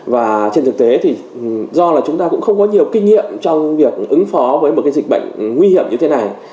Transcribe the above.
và trên thực tế thì do là chúng ta cũng không có nhiều kinh nghiệm trong việc ứng phó với một cái dịch bệnh nguy hiểm như thế này